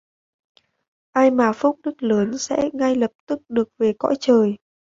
Ai mà phúc đức lớn sẽ ngay lập tức được về cõi trời